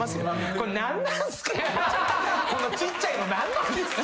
このちっちゃいの何なんですか！？